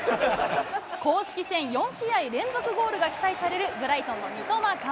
公式戦４試合連続ゴールが期待される、ブライトンの三笘薫。